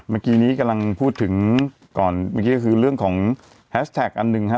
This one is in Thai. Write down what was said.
เมื่อกี้นี้กำลังพูดถึงก่อนเมื่อกี้ก็คือเรื่องของแฮชแท็กอันหนึ่งฮะ